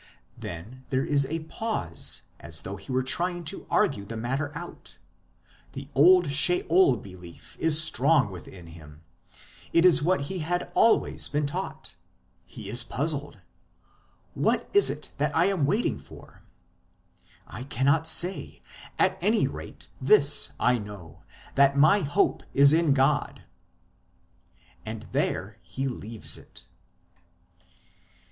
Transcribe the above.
Then there is a pause, as though he were trying to argue the matter out ; the old Sheol belief is strong within him, it is what he had always been taught ; he is puzzled ;" what is it that I am waiting for ? I cannot say ; at any rate, this I know, that my hope is in God." 1 And there he leaves it.